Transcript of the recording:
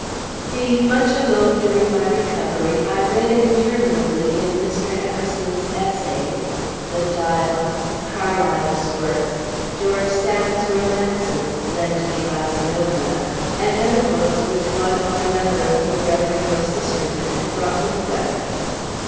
Being much alone during my recovery, I read interminably in Mr. Emerson's Essays, "The Dial," Carlyle's works, George Sand's romances (lent me by Zenobia), and other books which one or another of the brethren or sisterhood had brought with them.